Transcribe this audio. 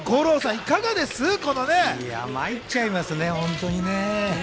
いや、まいっちゃいますね、本当にね。